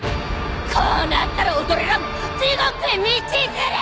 こうなったらおどれらも地獄へ道連れじゃ！